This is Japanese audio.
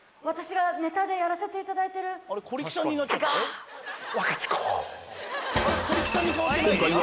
私がネタでやらせていただいてるシカゴ！